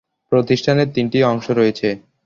প্রতিষ্ঠানের তিনটি অংশ রয়েছে।